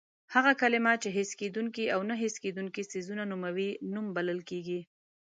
هغه کلمه چې حس کېدونکي او نه حس کېدونکي څیزونه نوموي نوم بلل کېږي.